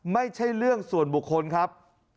ไม่ใช่เรื่องส่วนบุคคลครับ